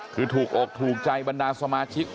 คือถูกอกถูกใจบรรดาสมาชิก